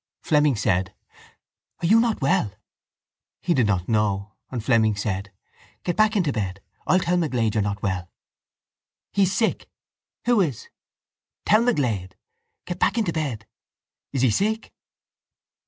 Fleming said: —Are you not well? He did not know; and Fleming said: —Get back into bed. I'll tell McGlade you're not well. —He's sick. —Who is? —Tell McGlade. —Get back into bed. —Is he sick?